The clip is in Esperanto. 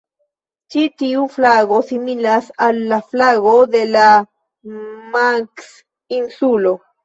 Ĉi tiu flago similas al la flago de la Manks-insulo.